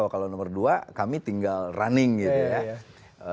kalau nomor dua kami tinggal running gitu ya